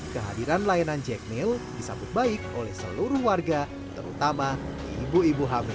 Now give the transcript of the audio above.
kehadiran layanan jack mill disambut baik oleh seluruh warga terutama ibu ibu hamil